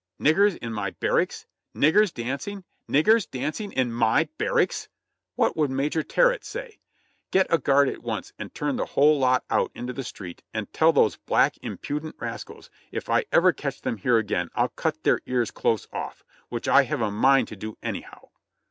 Niggers in my barracks ! Niggers dancing! Niggers dancing in MY barracks !!!! What would Major Terrett say? Get a guard at once and turn the whole lot out into the street and tell those black, impudent rascals if I ever catch them here again I'll cut their ears close off, which I have a mind to do anyhow.